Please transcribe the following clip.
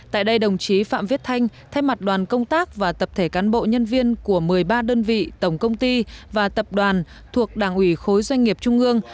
tại đây đồng chí phạm viết thanh thay mặt đoàn công tác và tập thể cán bộ nhân viên của một mươi ba đơn vị tổng công ty và tập đoàn thuộc đảng ủy khối doanh nghiệp trung ương